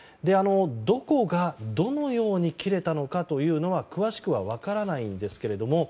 どこがどのように切れたのかというのは詳しくは分からないんですけど